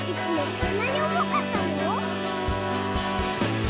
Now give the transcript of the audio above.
こんなにおもかったの？」